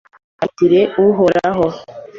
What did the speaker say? kandi mwiringire uhoraho